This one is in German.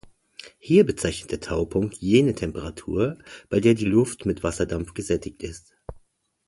Hier bezeichnet der Taupunkt jene Temperatur, bei der die Luft mit Wasserdampf gesättigt ist.